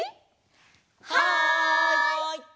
はい！